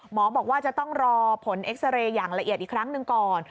บอกว่าจะต้องรอผลเอ็กซาเรย์อย่างละเอียดอีกครั้งหนึ่งก่อน